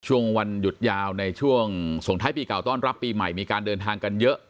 ช่วงวันหยุดยาวในช่วงส่งท้ายปีเก่าต้อนรับปีใหม่มีการเดินทางกันเยอะ